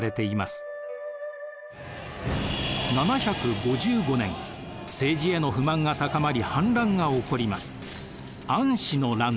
７５５年政治への不満が高まり反乱が起こります。